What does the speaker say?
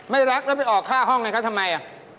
ไม่รักแล้วไปออกค่าห้องให้เขาทำไม